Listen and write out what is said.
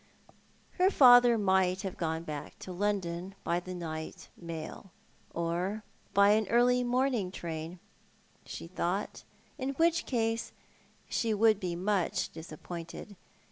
Her father might have gone back to Loudon by the night mail, or by an early morning train, she thought, in which case she would be much disappointed.